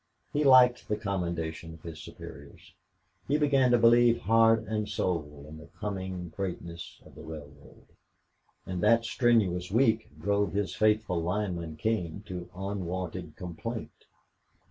He liked the commendation of his superiors. He began to believe heart and soul in the coming greatness of the railroad. And that strenuous week drove his faithful lineman, King, to unwonted complaint.